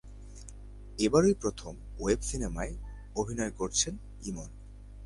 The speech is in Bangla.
এবারই প্রথম ওয়েব সিনেমায় অভিনয় করছেন ইমন।